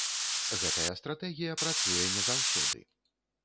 Гэтая стратэгія працуе не заўсёды.